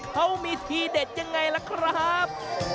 เขามีทีเด็ดยังไงล่ะครับ